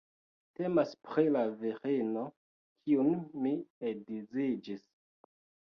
Temas pri la virino kiun mi edziĝis